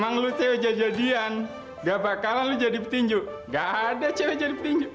gak bakalan lo jadi petinju gak ada cewe jadi petinju